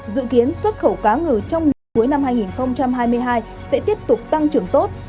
dự kiến xuất khẩu cá ngừ trong nửa cuối năm hai nghìn hai mươi hai sẽ tiếp tục tăng trưởng tốt